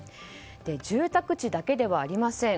住宅地だけではありません。